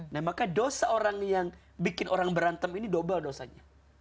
nah maka dosa orang yang bikin orang berantem ini double dosanya